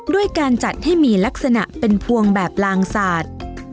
ด้วยการจัดให้มีลักษณะเป็นพวงแบบลางศาสตร์